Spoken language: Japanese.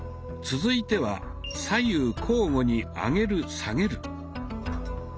続いては「左右交互に上げる・下げる」。